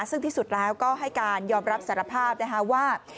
ซึ่งที่สุดแล้วก็ให้การยอมรับสารภาพนะคะว่า